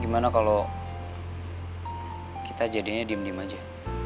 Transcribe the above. gimana kalau kita jadinya diem diem aja